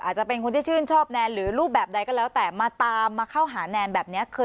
อาจจะเป็นคนที่ชื่นชอบแนนหรือรูปแบบใดก็แล้วแต่มาตามมาเข้าหาแนนแบบนี้